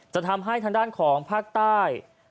จะทำให้ทางด้านของภาคใต้